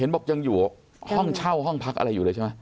บอกยังอยู่ห้องเช่าห้องพักอะไรอยู่เลยใช่ไหม